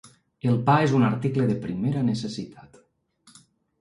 El pa és un article de primera necessitat.